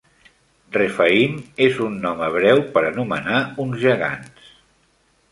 Rephaim és un nom hebreu per anomenar uns gegants.